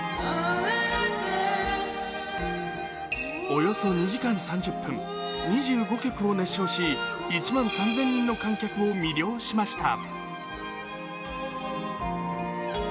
およそ２時間３０分２５曲を熱唱し、１万３０００人の観客を魅了しました。